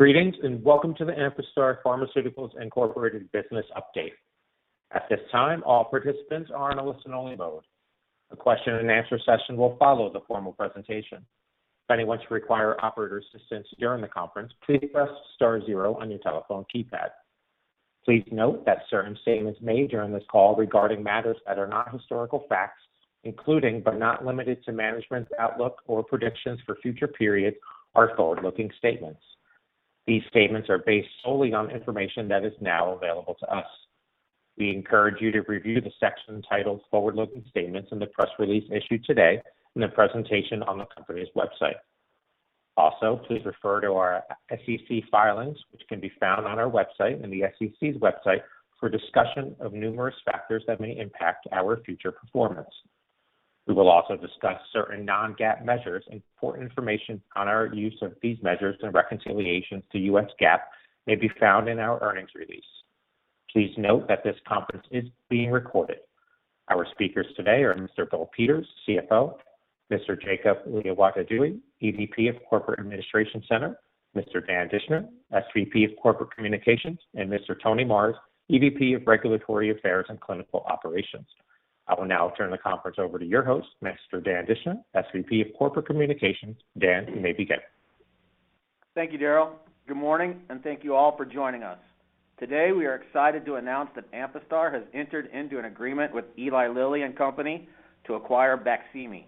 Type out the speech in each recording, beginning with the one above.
Greetings, welcome to the Amphastar Pharmaceuticals, Inc. business update. At this time, all participants are in a listen-only mode. A question-and-answer session will follow the formal presentation. If anyone should require operator assistance during the conference, please press star zero on your telephone keypad. Please note that certain statements made during this call regarding matters that are not historical facts, including, but not limited to, management's outlook or predictions for future periods, are forward-looking statements. These statements are based solely on information that is now available to us. We encourage you to review the section titled Forward-Looking Statements in the press release issued today in the presentation on the company's website. Please refer to our SEC filings, which can be found on our website and the SEC's website, for discussion of numerous factors that may impact our future performance. We will also discuss certain non-GAAP measures. Important information on our use of these measures and reconciliations to U.S. GAAP may be found in our earnings release. Please note that this conference is being recorded. Our speakers today are Mr. Bill Peters, CFO, Mr. Jacob Liawatidewi, EVP of Corporate Administration Center, Mr. Dan Dischner, SVP of Corporate Communications, and Mr. Tony Marrs, EVP of Regulatory Affairs and Clinical Operations. I will now turn the conference over to your host, Mr. Dan Dischner, SVP of Corporate Communications. Dan, you may begin. Thank you, Daryl. Good morning, and thank you all for joining us. Today, we are excited to announce that Amphastar has entered into an agreement with Eli Lilly and Company to acquire BAQSIMI,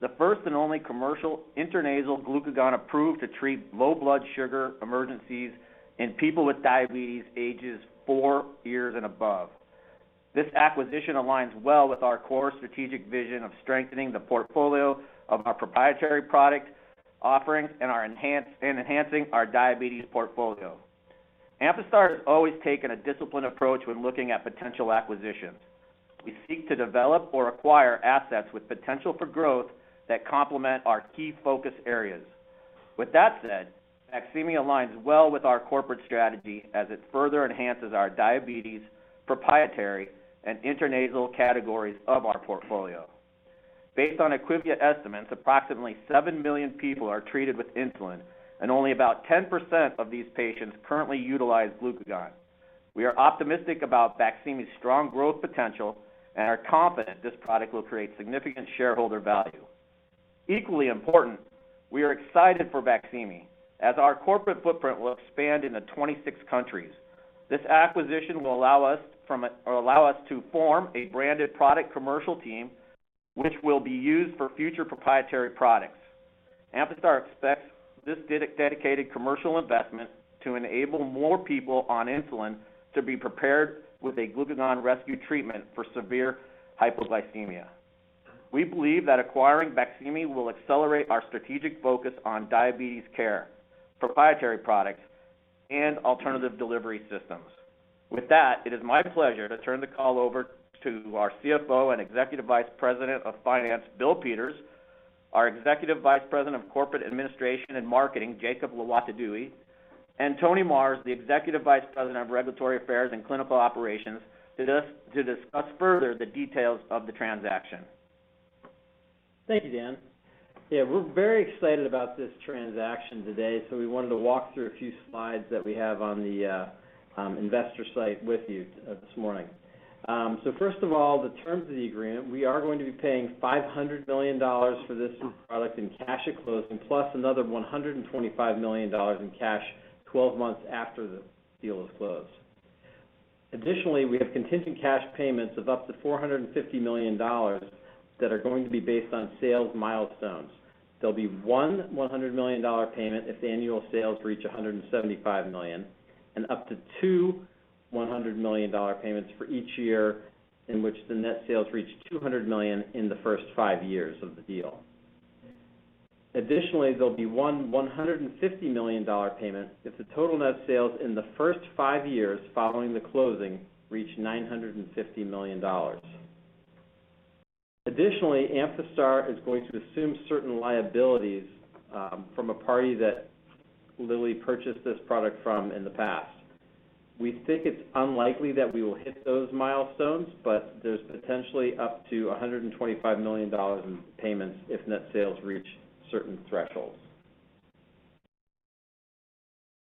the first and only commercial intranasal glucagon approved to treat low blood sugar emergencies in people with diabetes ages four years and above. This acquisition aligns well with our core strategic vision of strengthening the portfolio of our proprietary product offerings and enhancing our diabetes portfolio. Amphastar has always taken a disciplined approach when looking at potential acquisitions. We seek to develop or acquire assets with potential for growth that complement our key focus areas. With that said, BAQSIMI aligns well with our corporate strategy as it further enhances our diabetes proprietary and intranasal categories of our portfolio. Based on IQVIA estimates, approximately seven million people are treated with insulin, and only about 10% of these patients currently utilize glucagon. We are optimistic about BAQSIMI's strong growth potential and are confident this product will create significant shareholder value. Equally important, we are excited for BAQSIMI, as our corporate footprint will expand into 26 countries. This acquisition will allow us to form a branded product commercial team which will be used for future proprietary products. Amphastar expects this dedicated commercial investment to enable more people on insulin to be prepared with a glucagon rescue treatment for severe hypoglycemia. We believe that acquiring BAQSIMI will accelerate our strategic focus on diabetes care, proprietary products, and alternative delivery systems. With that, it is my pleasure to turn the call over to our CFO and Executive Vice President of Finance, Bill Peters, our Executive Vice President of Corporate Administration and Marketing, Jacob Liawatidewi, and Tony Marrs, the Executive Vice President of Regulatory Affairs and Clinical Operations, to discuss further the details of the transaction. Thank you. Dan. Yeah, we're very excited about this transaction today, so we wanted to walk through a few slides that we have on the investor site with you this morning. First of all, the terms of the agreement, we are going to be paying $500 million for this product in cash at closing, plus another $125 million in cash 12 months after the deal is closed. Additionally, we have contingent cash payments of up to $450 million that are going to be based on sales milestones. There'll be one $100 million payment if the annual sales reach $175 million and up to two $100 million payments for each year in which the net sales reach $200 million in the first five years of the deal. There'll be a $150 million payment if the total net sales in the first five years following the closing reach $950 million. Amphastar is going to assume certain liabilities from a party that Lilly purchased this product from in the past. We think it's unlikely that we will hit those milestones, there's potentially up to $125 million in payments if net sales reach certain thresholds.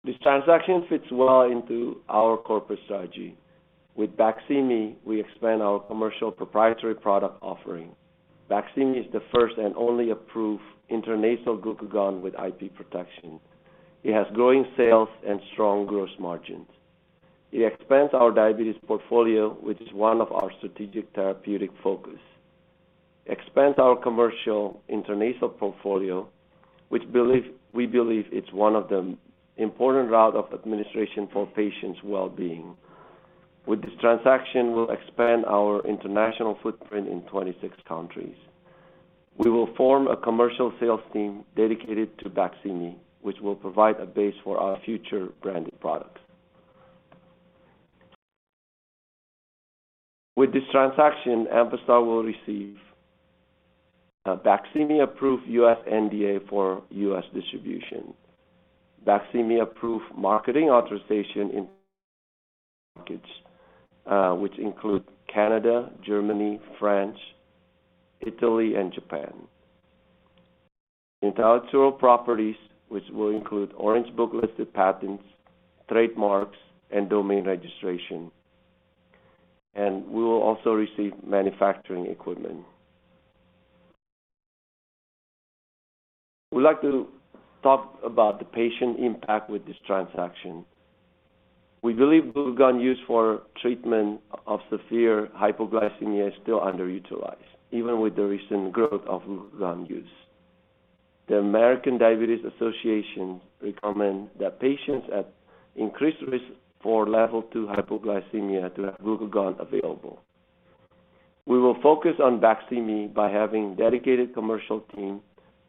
This transaction fits well into our corporate strategy. With BAQSIMI, we expand our commercial proprietary product offering. BAQSIMI is the first and only approved intranasal glucagon with IP protection. It has growing sales and strong gross margins. It expands our diabetes portfolio, which is one of our strategic therapeutic focus. Expands our commercial intranasal portfolio, which we believe it's one of the important route of administration for patients' well-being. With this transaction, we'll expand our international footprint in 26 countries. We will form a commercial sales team dedicated to BAQSIMI, which will provide a base for our future branded products. With this transaction, Amphastar will receive a BAQSIMI approved U.S. NDA for U.S. distribution, BAQSIMI approved marketing authorization in-Markets, which include Canada, Germany, France, Italy, and Japan. Intellectual properties, which will include Orange Book listed patents, trademarks, and domain registration. We will also receive manufacturing equipment. We'd like to talk about the patient impact with this transaction. We believe glucagon used for treatment of severe hypoglycemia is still underutilized, even with the recent growth of glucagon use. The American Diabetes Association recommend that patients at increased risk for Level 2 hypoglycemia to have glucagon available. We will focus on BAQSIMI by having dedicated commercial team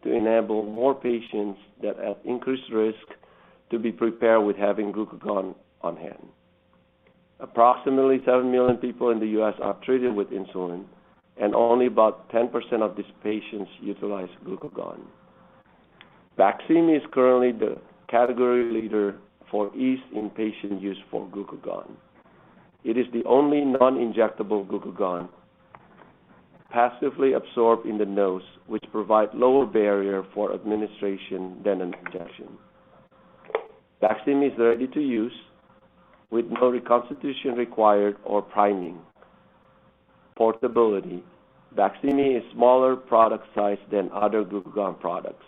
to enable more patients that are at increased risk to be prepared with having glucagon on hand. Approximately seven million people in the U.S. are treated with insulin, and only about 10% of these patients utilize glucagon. BAQSIMI is currently the category leader for ease in patient use for glucagon. It is the only non-injectable glucagon, passively absorbed in the nose, which provide lower barrier for administration than an injection. BAQSIMI is ready to use with no reconstitution required or priming. Portability. BAQSIMI is smaller product size than other glucagon products,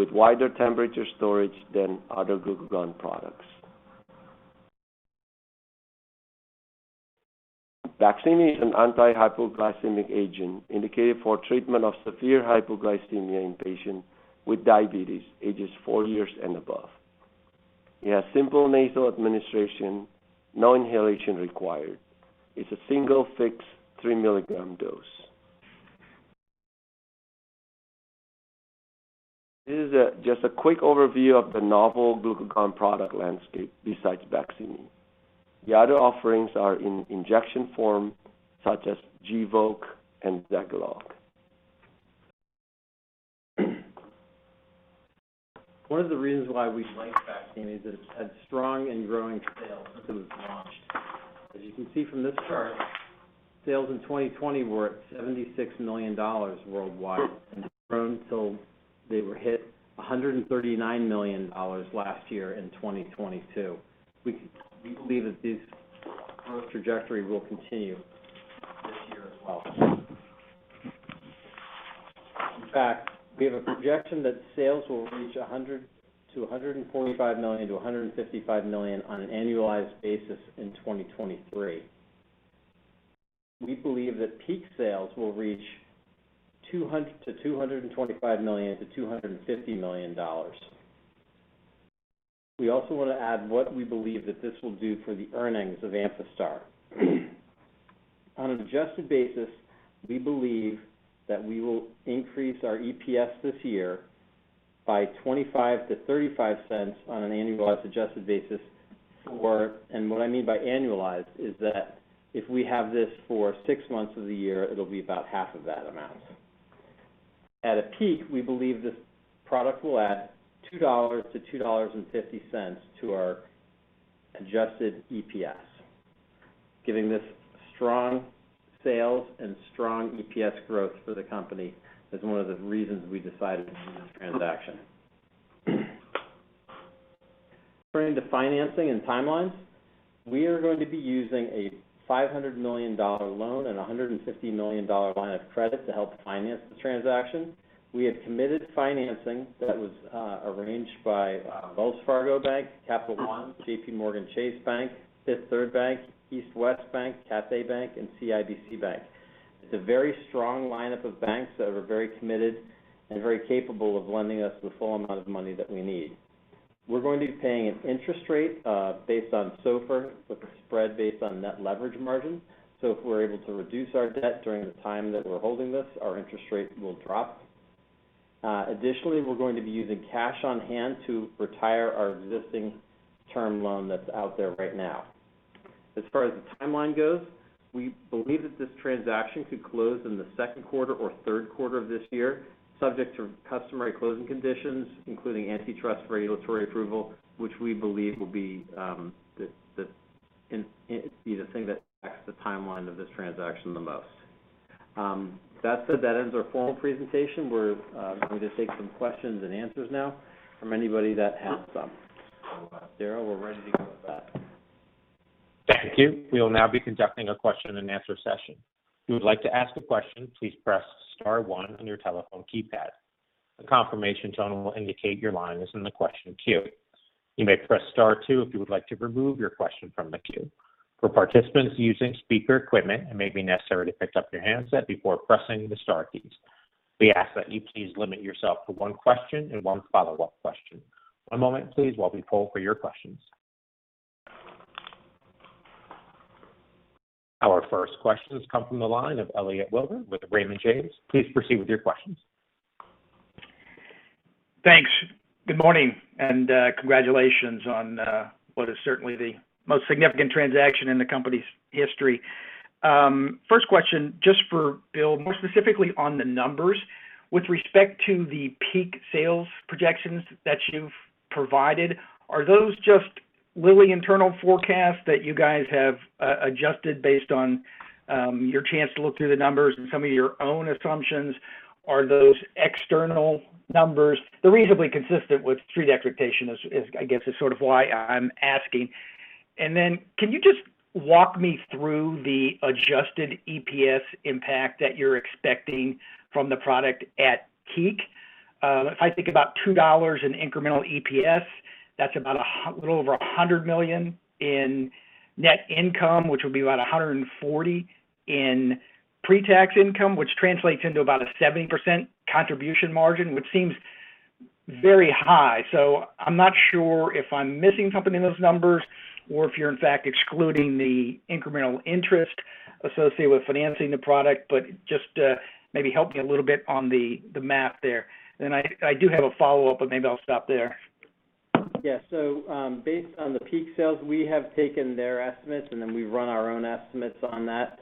with wider temperature storage than other glucagon products. BAQSIMI is an anti-hypoglycemic agent indicated for treatment of severe hypoglycemia in patients with diabetes ages four years and above. It has simple nasal administration, no inhalation required. It's a single fixed three milligram dose. This is just a quick overview of the novel glucagon product landscape besides BAQSIMI. The other offerings are in injection form, such as Gvoke and Zegalogue. One of the reasons why we like BAQSIMI is that it's had strong and growing sales since it was launched. As you can see from this chart, sales in 2020 were at $76 million worldwide and have grown till they were hit $139 million last year in 2022. We believe that this growth trajectory will continue this year as well. In fact, we have a projection that sales will reach $145 million-$155 million on an annualized basis in 2023. We believe that peak sales will reach $225 million-$250 million. We also want to add what we believe that this will do for the earnings of Amphastar. On an adjusted basis, we believe that we will increase our EPS this year by $0.25-$0.35 on an annualized adjusted basis for... What I mean by annualized is that if we have this for six months of the year, it'll be about half of that amount. At a peak, we believe this product will add $2.00-$2.50 to our adjusted EPS. Giving this strong sales and strong EPS growth for the company is one of the reasons we decided to do this transaction. Turning to financing and timelines. We are going to be using a $500 million loan and a $150 million line of credit to help finance the transaction. We have committed financing that was arranged by Wells Fargo Bank, Capital One, JPMorgan Chase Bank, Fifth Third Bank, East West Bank, Cathay Bank, and CIBC Bank. It's a very strong lineup of banks that are very committed and very capable of lending us the full amount of money that we need. We're going to be paying an interest rate based on SOFR with a spread based on net leverage margin. If we're able to reduce our debt during the time that we're holding this, our interest rates will drop. Additionally, we're going to be using cash on hand to retire our existing term loan that's out there right now. As far as the timeline goes, we believe that this transaction could close in the second quarter or third quarter of this year, subject to customary closing conditions, including antitrust regulatory approval, which we believe will be the thing that affects the timeline of this transaction the most. That said, that ends our formal presentation. We're going to take some questions and answers now from anybody that has some. Daryl, we're ready to go with that. Thank you. We will now be conducting a question-and-answer session. If you would like to ask a question, please press star one on your telephone keypad. A confirmation tone will indicate your line is in the question queue. You may press star two if you would like to remove your question from the queue. For participants using speaker equipment, it may be necessary to pick up your handset before pressing the star keys. We ask that you please limit yourself to one question and one follow-up question. One moment, please, while we poll for your questions. Our first question comes from the line of Elliot Wilbur with Raymond James. Please proceed with your questions. Thanks. Good morning, and congratulations on what is certainly the most significant transaction in the company's history. First question just for Bill, more specifically on the numbers. With respect to the peak sales projections that you've provided, are those just Lilly internal forecasts that you guys have adjusted based on your chance to look through the numbers and some of your own assumptions? Are those external numbers? They're reasonably consistent with street expectation, I guess, is sort of why I'm asking. Can you just walk me through the adjusted EPS impact that you're expecting from the product at peak? If I think about $2 in incremental EPS, that's about a little over $100 million in net income, which would be about $140 in pre-tax income, which translates into about a 70% contribution margin, which seems very high. I'm not sure if I'm missing something in those numbers or if you're in fact excluding the incremental interest associated with financing the product. Just, maybe help me a little bit on the math there. I do have a follow-up, but maybe I'll stop there. Yeah. Based on the peak sales, we have taken their estimates, and then we run our own estimates on that,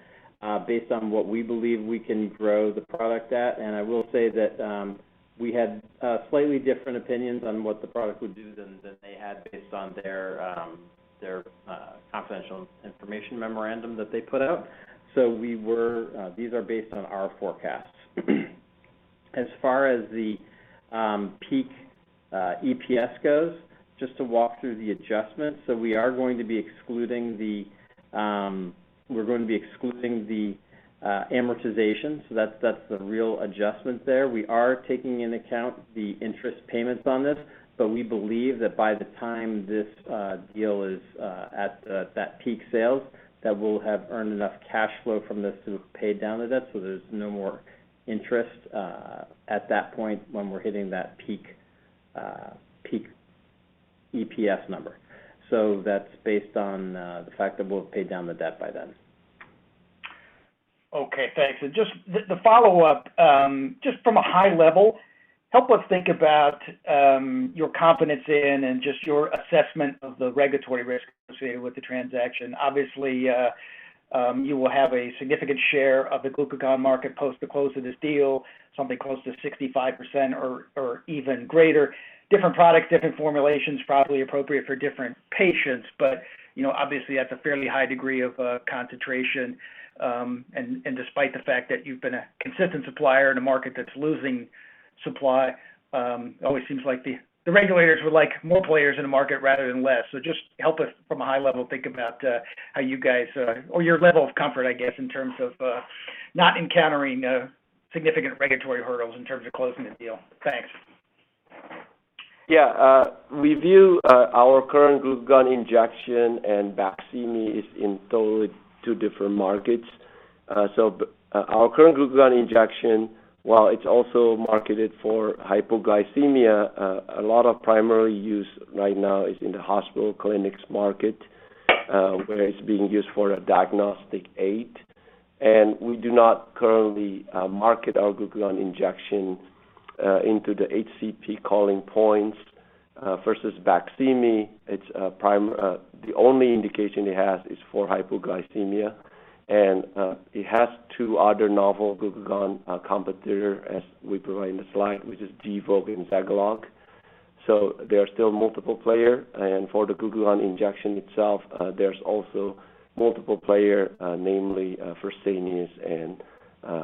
based on what we believe we can grow the product at. I will say that, we had slightly different opinions on what the product would do than they had based on their confidential information memorandum that they put out. These are based on our forecasts. As far as the peak EPS goes, just to walk through the adjustments. We are going to be excluding the amortization. That's the real adjustment there. We are taking into account the interest payments on this, but we believe that by the time this deal is at that peak sales, that we'll have earned enough cash flow from this to have paid down the debt, so there's no more interest at that point when we're hitting that peak EPS number. That's based on the fact that we'll have paid down the debt by then. Okay, thanks. Just the follow-up, just from a high level, help us think about your confidence in and just your assessment of the regulatory risk associated with the transaction. Obviously, you will have a significant share of the glucagon market post the close of this deal, something close to 65% or even greater. Different products, different formulations, probably appropriate for different patients. You know, obviously, that's a fairly high degree of concentration. And despite the fact that you've been a consistent supplier in a market that's losing supply, always seems like the regulators would like more players in the market rather than less. Just help us from a high level, think about how you guys, or your level of comfort, I guess, in terms of not encountering significant regulatory hurdles in terms of closing the deal? Thanks. Yeah. We view our current glucagon injection and BAQSIMI is in totally two different markets. Our current glucagon injection, while it's also marketed for hypoglycemia, a lot of primary use right now is in the hospital clinics market, where it's being used for a diagnostic aid. We do not currently market our glucagon injection into the HCP calling points versus BAQSIMI, the only indication it has is for hypoglycemia. It has two other novel glucagon competitor, as we provide in the slide, which is Gvoke and Zegalogue. There are still multiple player. For the glucagon injection itself, there's also multiple player, namely Fresenius and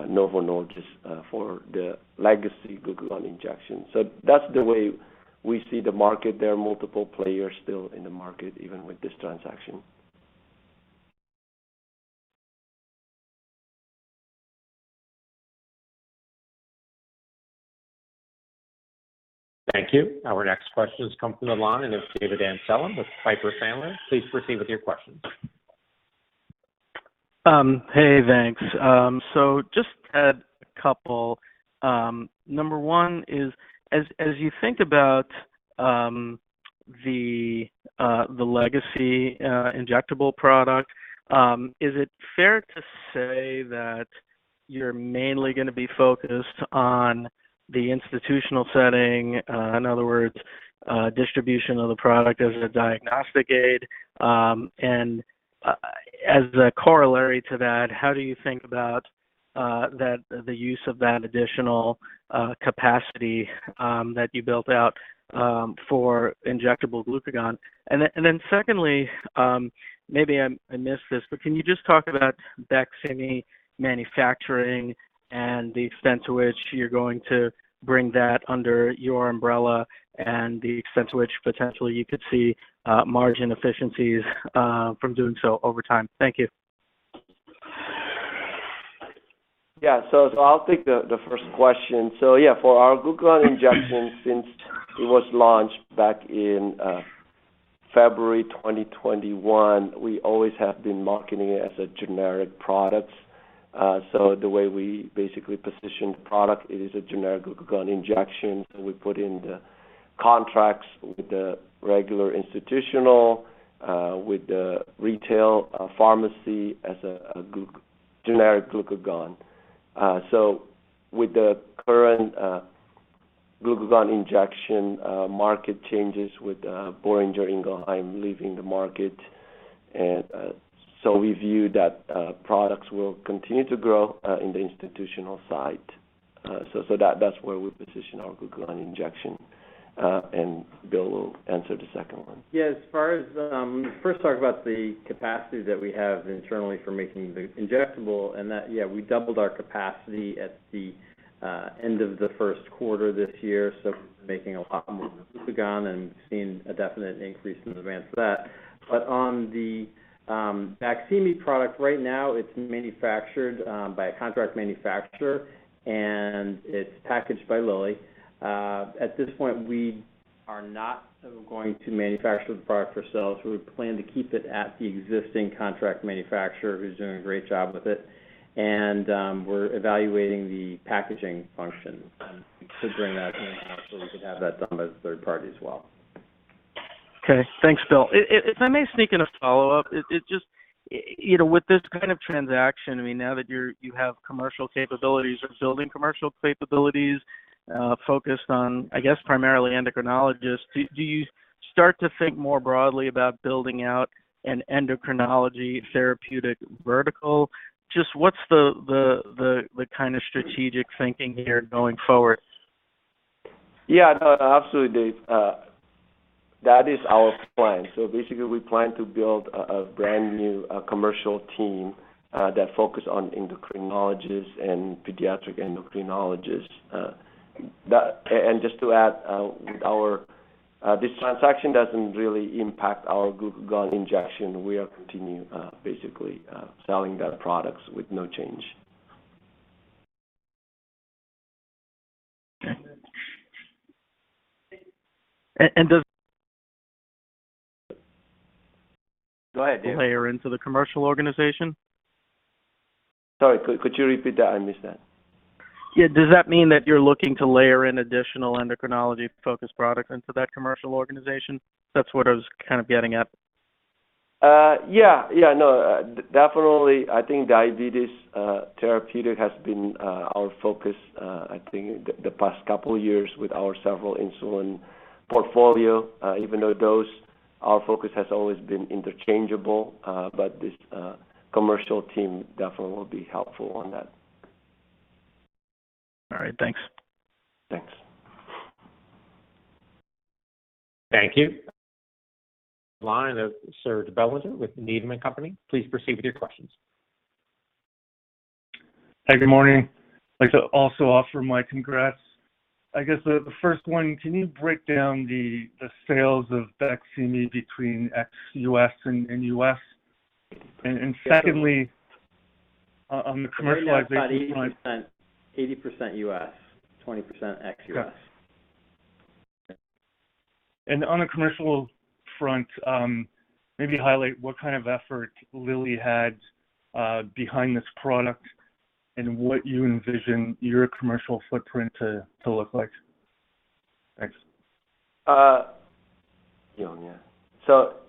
Novo Nordisk for the legacy glucagon injection. That's the way we see the market. There are multiple players still in the market, even with this transaction. Thank you. Our next question is coming from the line, and it's David Amsellem with Piper Sandler. Please proceed with your questions. Hey, thanks. Just add a couple. Number one is, as you think about, the legacy injectable product, is it fair to say that you're mainly gonna be focused on the institutional setting, in other words, distribution of the product as a diagnostic aid? As a corollary to that, how do you think about the use of that additional capacity that you built out for injectable glucagon? Then secondly, maybe I missed this, but can you just talk about BAQSIMI manufacturing and the extent to which you're going to bring that under your umbrella and the extent to which potentially you could see margin efficiencies from doing so over time? Thank you. I'll take the first question. For our glucagon injection, since it was launched back in February 2021, we always have been marketing it as a generic product. The way we basically position the product, it is a generic glucagon injection, so we put in the contracts with the regular institutional, with the retail pharmacy as a generic glucagon. With the current glucagon injection market changes with Boehringer Ingelheim leaving the market. We view that products will continue to grow in the institutional side. That's where we position our glucagon injection. And Bill will answer the second one. Yeah. As far as, first talk about the capacity that we have internally for making the injectable and that, yeah, we doubled our capacity at the end of the first quarter this year, so we're making a lot more glucagon and seeing a definite increase in advance for that. On the BAQSIMI product, right now it's manufactured by a contract manufacturer, and it's packaged by Lilly. At this point, we are not going to manufacture the product ourselves. We plan to keep it at the existing contract manufacturer who's doing a great job with it. We're evaluating the packaging function and considering that so we can have that done by the third party as well. Okay. Thanks, Bill. If I may sneak in a follow-up. It just, you know, with this kind of transaction, I mean, now that you have commercial capabilities or building commercial capabilities, focused on, I guess, primarily endocrinologists, do you start to think more broadly about building out an endocrinology therapeutic vertical? Just what's the kind of strategic thinking here going forward? Yeah. No, absolutely, Dave. That is our plan. Basically, we plan to build a brand new commercial team that focus on endocrinologists and pediatric endocrinologists. Just to add, with our, this transaction doesn't really impact our glucagon injection. We are continuing, basically, selling that products with no change. Okay. Does. Go ahead, Dave. layer into the commercial organization? Sorry, could you repeat that? I missed that. Yeah. Does that mean that you're looking to layer in additional endocrinology-focused products into that commercial organization? That's what I was kind of getting at. Yeah. Yeah. No, definitely. I think diabetes therapeutic has been our focus. I think the past couple of years with our several insulin portfolio, even though our focus has always been interchangeable, but this commercial team definitely will be helpful on that. All right. Thanks. Thanks. Thank you. Line of Serge Belanger with Needham & Company. Please proceed with your questions. Hi, good morning. I'd like to also offer my congrats. I guess the first one, can you break down the sales of BAQSIMI between ex-U.S. and U.S.? Secondly, on the commercialization timeline... 80% U.S., 20% ex-U.S. Got it. On the commercial front, maybe highlight what kind of effort Lilly had behind this product and what you envision your commercial footprint to look like. Thanks. Yeah.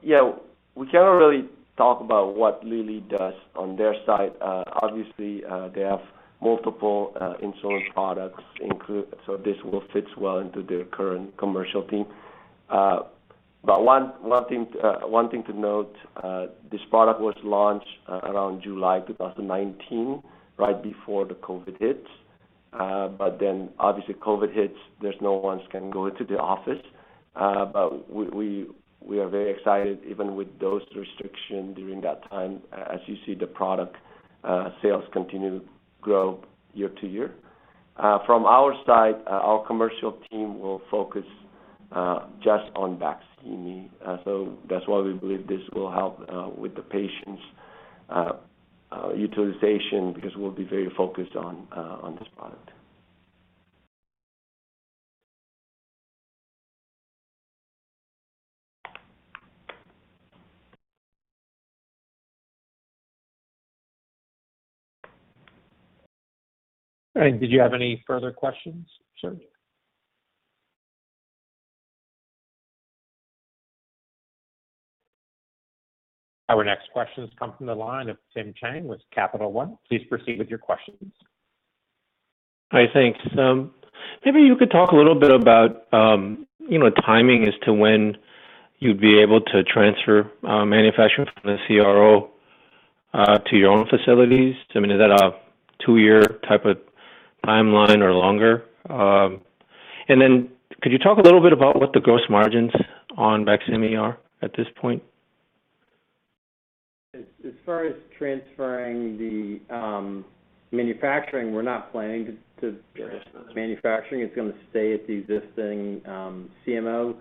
Yeah, we can't really talk about what Lilly does on their side. Obviously, they have multiple insulin products include, this will fits well into their current commercial team. One thing to note, this product was launched around July 2019, right before the COVID hit. Obviously COVID hits, there's no ones can go into the office. We are very excited even with those restriction during that time, as you see the product sales continue to grow year-to-year. From our side, our commercial team will focus just on BAQSIMI. That's why we believe this will help with the patients' utilization because we'll be very focused on this product. All right. Did you have any further questions, sir? Our next questions come from the line of Tim Chiang with Capital One. Please proceed with your questions. Hi. Thanks. Maybe you could talk a little bit about, you know, timing as to when you'd be able to transfer manufacturing from the CRO to your own facilities. I mean, is that a two-year type of timeline or longer? Then could you talk a little bit about what the gross margins on BAQSIMI are at this point? As far as transferring the manufacturing, we're not planning to transfer the manufacturing. It's gonna stay at the existing CMO.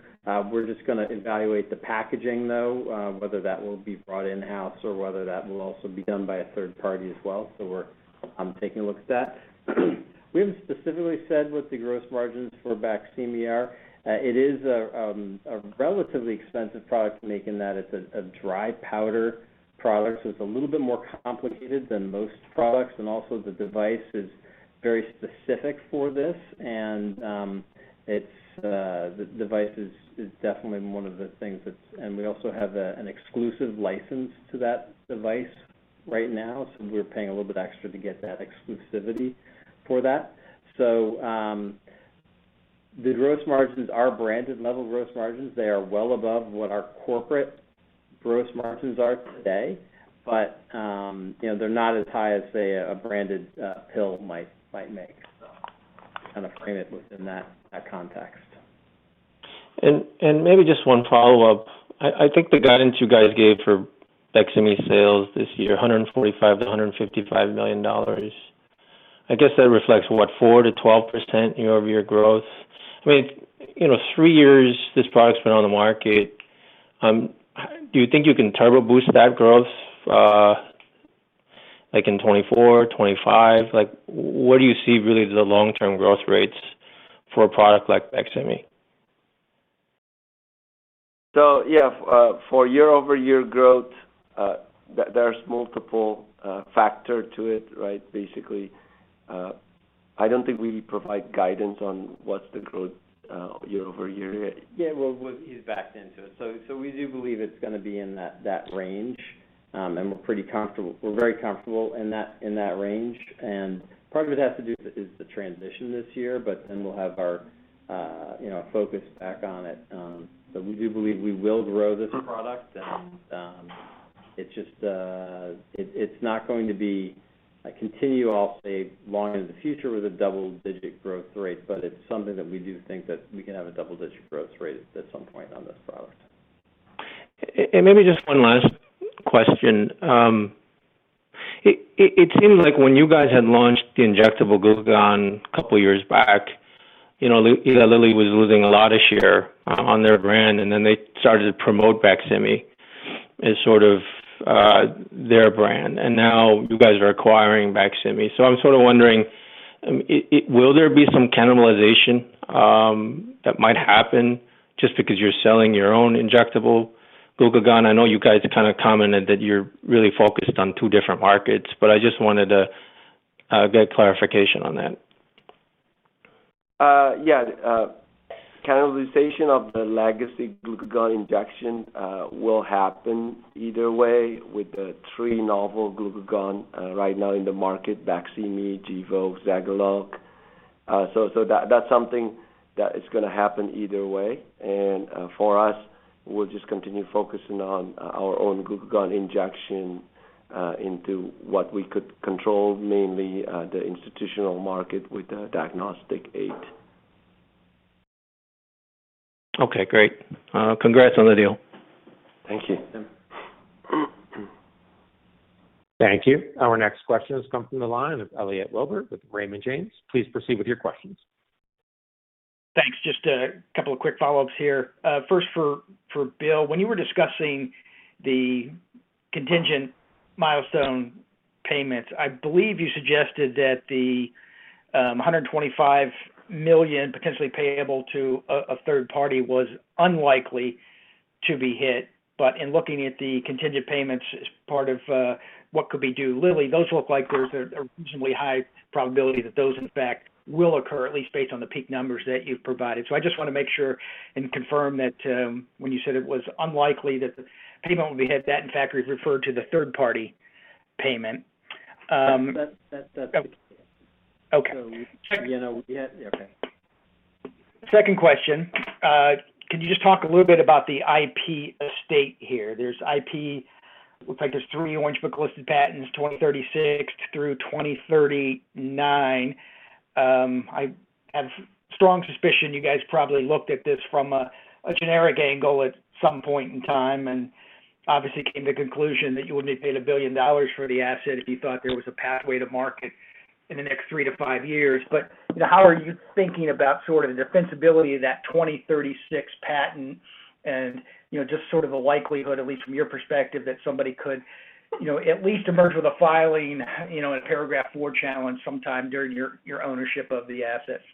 We're just gonna evaluate the packaging, though, whether that will be brought in-house or whether that will also be done by a third party as well. We're taking a look at that. We haven't specifically said what the gross margins for BAQSIMI are. It is a relatively expensive product to make in that it's a dry powder product, so it's a little bit more complicated than most products. Also the device is very specific for this. It's the device is definitely one of the things that's. We also have an exclusive license to that device right now, so we're paying a little bit extra to get that exclusivity for that. The gross margins are branded level gross margins. They are well above what our corporate gross margins are today. You know, they're not as high as, say, a branded pill might make. Kind of frame it within that context. Maybe just one follow-up. I think the guidance you guys gave for BAQSIMI sales this year, $145 million-$155 million. I guess that reflects what, 4%-12% year-over-year growth. I mean, you know, three years this product's been on the market, do you think you can turbo boost that growth, like in 2024, 2025? Like, where do you see really the long-term growth rates for a product like BAQSIMI? Yeah, for year-over-year growth, there's multiple factor to it, right? Basically, I don't think we provide guidance on what's the growth, year-over-year. Yeah. Well, we've backed into it. We do believe it's going to be in that range. We're pretty comfortable. We're very comfortable in that range. Part of it has to do is the transition this year, we'll have our, you know, focus back on it. We do believe we will grow this product and it's just it's not going to be a continual, say, long into the future with a double-digit growth rate. It's something that we do think that we can have a double-digit growth rate at some point on this product. Maybe just one last question. It seems like when you guys had launched the injectable glucagon a couple of years back, you know, Eli Lilly was losing a lot of share on their brand, and then they started to promote BAQSIMI as sort of their brand. Now you guys are acquiring BAQSIMI. I'm sort of wondering, will there be some cannibalization that might happen just because you're selling your own injectable glucagon? I know you guys kind of commented that you're really focused on two different markets, but I just wanted to get clarification on that. Yeah, cannibalization of the legacy glucagon injection will happen either way with the three novel glucagon right now in the market, BAQSIMI, Gvoke, Zegalogue. That's something that is gonna happen either way. For us, we'll just continue focusing on our own glucagon injection into what we could control, mainly, the institutional market with the diagnostic aid. Okay, great. Congrats on the deal. Thank you. Yeah. Thank you. Our next question is coming from the line of Elliot Wilbur with Raymond James. Please proceed with your questions. Thanks. Just a couple of quick follow-ups here. First for Bill. When you were discussing the contingent milestone payments, I believe you suggested that the $125 million potentially payable to a third party was unlikely to be hit. In looking at the contingent payments as part of what could be due Lilly, those look like there's a reasonably high probability that those, in fact, will occur, at least based on the peak numbers that you've provided. I just wanna make sure and confirm that when you said it was unlikely that the payment will be hit, that in fact, you've referred to the third party payment. That's. Okay. you know, yeah. Okay. Second question. Could you just talk a little bit about the IP estate here? There's IP. Looks like there's three Orange Book-listed patents, 2036-2039. I have strong suspicion you guys probably looked at this from a generic angle at some point in time and obviously came to conclusion that you wouldn't have paid $1 billion for the asset if you thought there was a pathway to market in the next three to five years. How are you thinking about sort of the defensibility of that 2036 patent and, you know, just sort of the likelihood, at least from your perspective, that somebody could, you know, at least emerge with a filing, you know, in Paragraph IV challenge sometime during your ownership of the assets?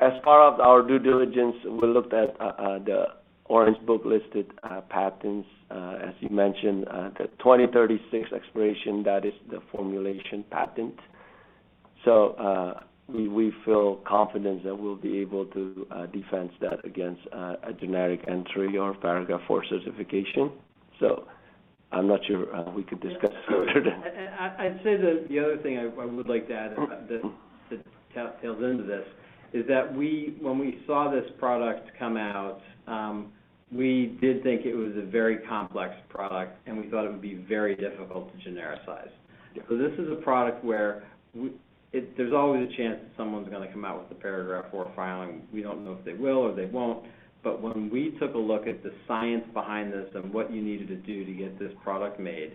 As part of our due diligence, we looked at the Orange Book-listed patents. As you mentioned, the 2036 expiration, that is the formulation patent. We feel confident that we'll be able to defense that against a generic entry or Paragraph IV certification. I'm not sure, we could discuss further than. I'd say that the other thing I would like to add that tails into this is that when we saw this product come out, we did think it was a very complex product, and we thought it would be very difficult to genericize. This is a product where there's always a chance that someone's gonna come out with a Paragraph IV filing. We don't know if they will or they won't. When we took a look at the science behind this and what you needed to do to get this product made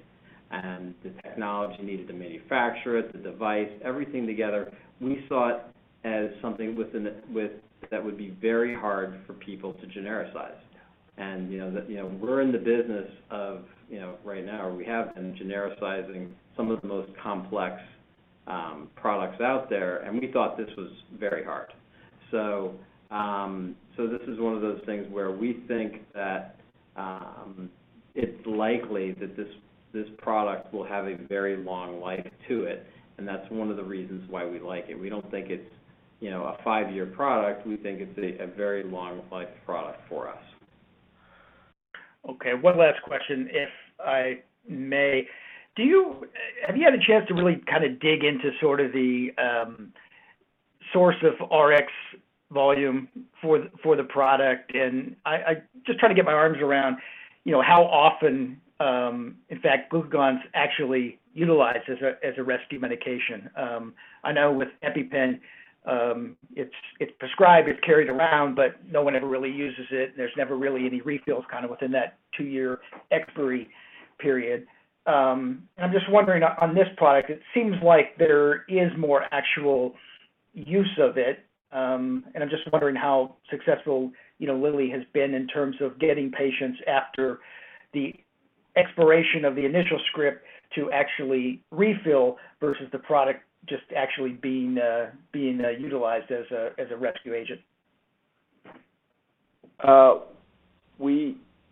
and the technology needed to manufacture it, the device, everything together, we saw it as something that would be very hard for people to genericize. You know, we're in the business of, you know, right now, we have been genericizing some of the most complex products out there, and we thought this was very hard. This is one of those things where we think that it's likely that this product will have a very long life to it, and that's one of the reasons why we like it. We don't think it's you know, a five-year product, we think it's a very long life product for us. Okay, one last question if I may. Have you had a chance to really kinda dig into sort of the source of RX volume for the product? I just try to get my arms around, you know, how often, in fact, glucagon's actually utilized as a rescue medication. I know with EpiPen, it's prescribed, it's carried around, but no one ever really uses it and there's never really any refills kind of within that two-year expiry period. I'm just wondering on this product, it seems like there is more actual use of it. I'm just wondering how successful, you know, Lilly has been in terms of getting patients after the expiration of the initial script to actually refill versus the product just actually being utilized as a rescue agent?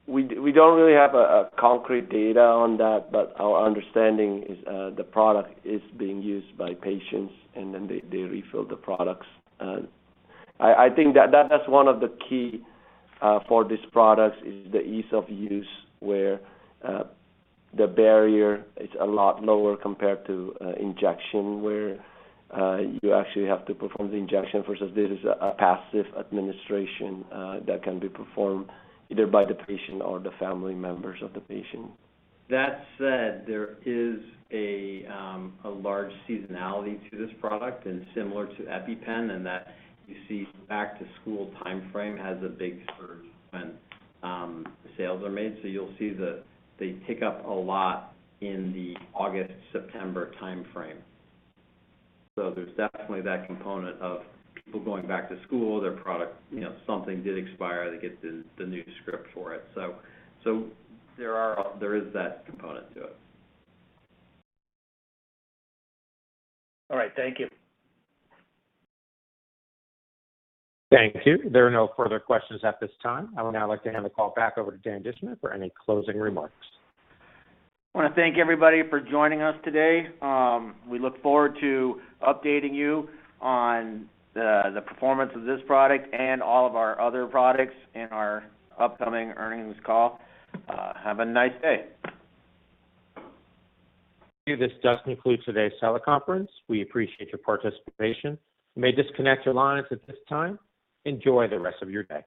We don't really have concrete data on that. Our understanding is the product is being used by patients and then they refill the products. I think that is one of the key for this product is the ease of use, where the barrier is a lot lower compared to injection, where you actually have to perform the injection versus this is a passive administration that can be performed either by the patient or the family members of the patient. That said, there is a large seasonality to this product and similar to EpiPen, in that you see back-to-school timeframe has a big surge when sales are made. You'll see that they tick up a lot in the August, September timeframe. There's definitely that component of people going back-to-school, their product, you know, something did expire, they get the new script for it. There is that component to it. All right. Thank you. Thank you. There are no further questions at this time. I would now like to hand the call back over to Dan Dischner for any closing remarks. I want to thank everybody for joining us today. We look forward to updating you on the performance of this product and all of our other products in our upcoming earnings call. Have a nice day. This does conclude today's teleconference. We appreciate your participation. You may disconnect your lines at this time. Enjoy the rest of your day.